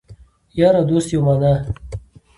یار او دوست یوه معنی